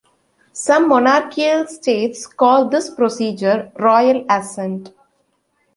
Some monarchical states call this procedure "royal assent".